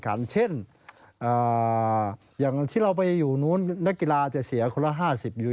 อย่างเช่นอย่างที่เราไปอยู่นู้นนักกีฬาจะเสียคนละ๕๐ยู